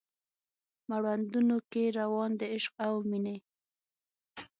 مړوندونو کې روان د عشق او میینې